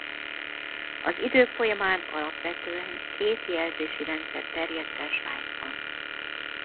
Az idők folyamán alapvetően két jelzési rendszer terjedt el Svájcban.